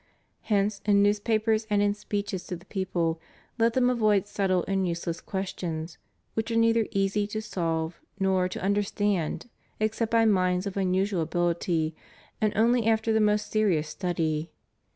Hence in newspapers and in speeches to the people, let them avoid subtle and useless questions which are neither easy to solve nor to understand except by minds of unusual ability and only after the most serious study.